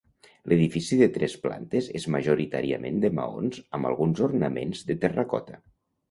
L'edifici de tres plantes és majoritàriament de maons amb alguns ornaments de terracota.